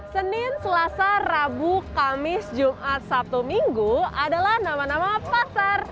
senin selasa rabu kamis jumat sabtu minggu adalah nama nama pasar